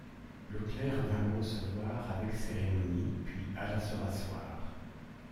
Le clerc vint le recevoir avec cérémonie, puis alla se rasseoir.